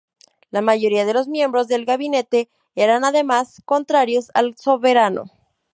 La mayoría de los miembros del gabinete eran, además, contrarios al soberano.